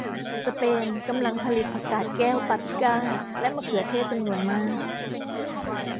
สเปนกำลังผลิตผักกาดแก้วปาปริก้าและมะเขือเทศจำนวนมาก